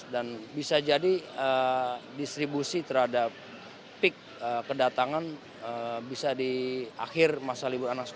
dan bisa jadi distribusi terhadap peak kedatangan bisa di akhir masa libur anak sekolah